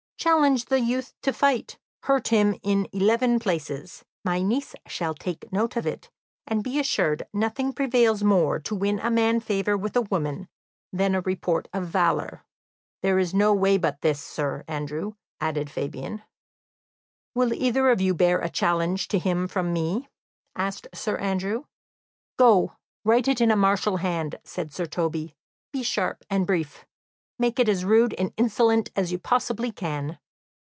"Challenge the youth to fight; hurt him in eleven places; my niece shall take note of it; and be assured, nothing prevails more to win a man favour with women than a report of valour." "There is no way but this, Sir Andrew," added Fabian. "Will either of you bear a challenge to him from me?" asked Sir Andrew. "Go, write it in a martial hand," said Sir Toby. "Be sharp and brief. Make it as rude and insolent as you possibly can."